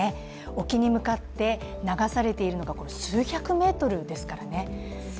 沖に向かって流されているのが数百メートルですからね。